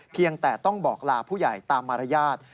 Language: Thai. เพียงแต่ต้องบอกลาผู้ใหญ่ตามมารยาท